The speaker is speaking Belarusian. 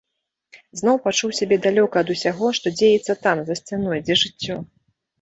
Зноў пачуў сябе далёка ад усяго, што дзеецца там, за сцяной, дзе жыццё.